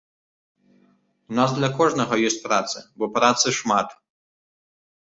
У нас для кожнага ёсць праца, бо працы шмат.